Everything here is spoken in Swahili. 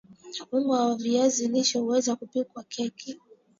unga wa viazi lishe huweza kupikwa keki